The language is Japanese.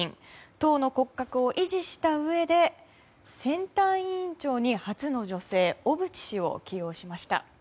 党の骨格を維持したうえで選対委員長に初の女性、小渕氏を起用しました。